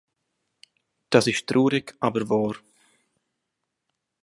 Das ist traurig, aber wahr.